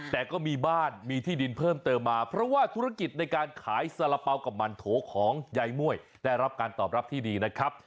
แต่ก็มีบ้านมีที่ดินเพิ่มเติมมาเพราะว่าธุรกิจในการขายสาระเป๋ากับมันโถของยายม่วยได้รับการตอบรับที่ดีนะครับ